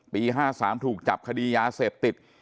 ๕๓ถูกจับคดียาเสพติด